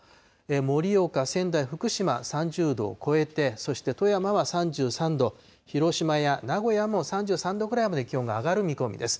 盛岡、仙台、福島、３０度を超えて、そして富山は３３度、広島や名古屋も３３度ぐらいまで気温が上がる見込みです。